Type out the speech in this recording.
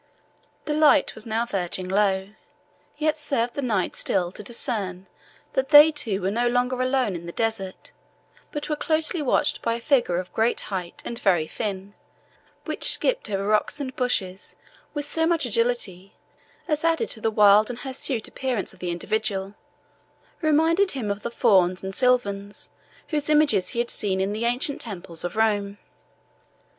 The light was now verging low, yet served the knight still to discern that they two were no longer alone in the desert, but were closely watched by a figure of great height and very thin, which skipped over rocks and bushes with so much agility as, added to the wild and hirsute appearance of the individual, reminded him of the fauns and silvans, whose images he had seen in the ancient temples of Rome.